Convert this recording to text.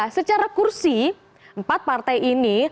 secara kursi empat partai ini